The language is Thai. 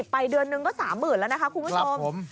ไปเดือนนึงก็๓๐๐๐แล้วนะคะคุณผู้ชม